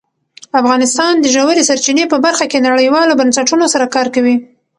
افغانستان د ژورې سرچینې په برخه کې نړیوالو بنسټونو سره کار کوي.